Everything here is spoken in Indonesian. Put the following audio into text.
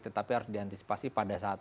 tetapi harus diantisipasi pada saat